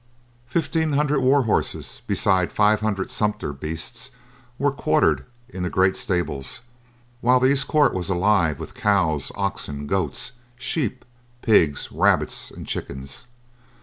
Fifteen hundred war horses, beside five hundred sumpter beasts, were quartered in the great stables, while the east court was alive with cows, oxen, goats, sheep, pigs, rabbits and chickens.